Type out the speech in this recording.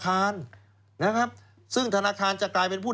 อ๋อคือถ้าเฉพาะเรามารู้ทีหลัง๑๐ปี